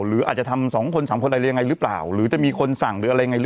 หรืออาจจะทำสองคนสามคนอะไรเรียงไงรึเปล่าหรือจะมีคนสั่ง